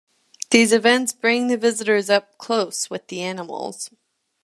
These events bring the visitors up close with the animals.